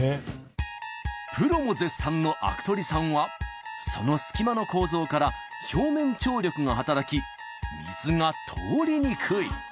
プロも絶賛のあくとりさんはその隙間の構造から表面張力が働き水が通りにくい。